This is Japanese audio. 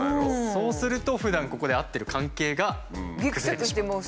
そうするとふだんここで会ってる関係が崩れてしまうと。